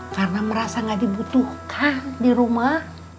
karena merasa gak dibutuhkan di rumah